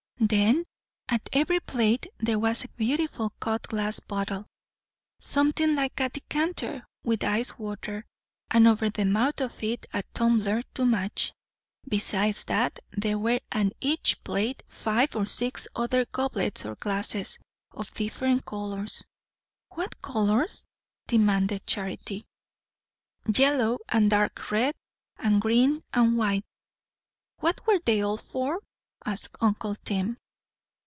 "Then at every plate there was a beautiful cut glass bottle, something like a decanter, with ice water, and over the mouth of it a tumbler to match. Besides that, there were at each plate five or six other goblets or glasses, of different colours." "What colours?" demanded Charity. "Yellow, and dark red, and green, and white." "What were they all for?" asked uncle Tim.